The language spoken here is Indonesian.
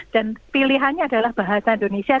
dan pilihannya adalah bahasa indonesia